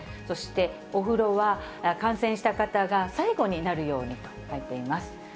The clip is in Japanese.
そしてお風呂は、感染した方が最後になるようにと書いています。